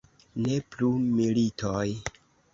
Ne plu militoj!